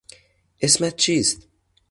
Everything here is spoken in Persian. اسمت چیست؟